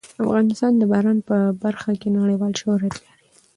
افغانستان د باران په برخه کې نړیوال شهرت لري.